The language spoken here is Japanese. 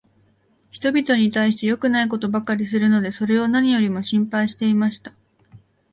人びとに対しては良くないことばかりするので、それを何よりも心配していました。